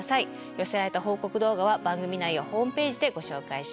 寄せられた報告動画は番組内やホームページでご紹介します。